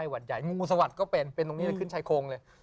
วัดใหญ่งูสวัสดิ์ก็เป็นเป็นตรงนี้เลยขึ้นชายโครงเลย